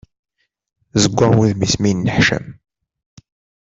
Zewwaɣ wudem-is mi yenneḥcam.